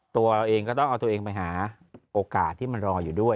ตัวเราเองก็ต้องเอาตัวเองไปหาโอกาสที่มันรออยู่ด้วย